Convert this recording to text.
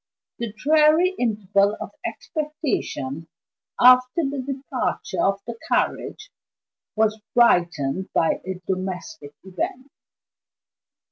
The dreary interval of expectation, after the departure of the carriage, was brightened by a domestic event.